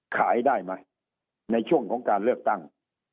ขายได้ไหมในช่วงของการเลือกตั้ง